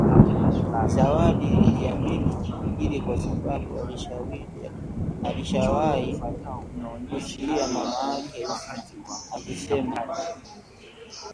Zawadi aliliamini hili kwa sababu alishawahi kuskia mamake Husna akisema